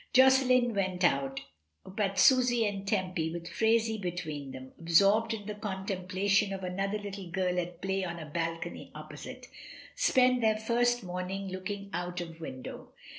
Josselin went out, but Susy and Tempy, with Phraisie between them (ab sorbed in the contemplation of another little girl at play on a balcony opposite), spent their first morn ing looking out of window.